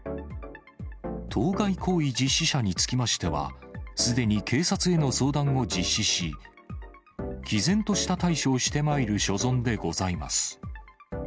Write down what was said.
当該行為実施者につきましては、すでに警察への相談を実施し、きぜんとした対処をしてまいる所存でございます。